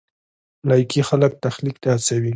لایکي خلک تخلیق ته هڅوي.